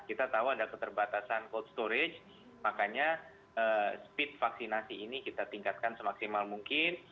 kita tahu ada keterbatasan cold storage makanya speed vaksinasi ini kita tingkatkan semaksimal mungkin